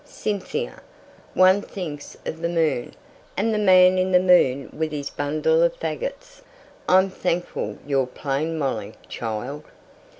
Cynthia! One thinks of the moon, and the man in the moon with his bundle of faggots. I'm thankful you're plain Molly, child."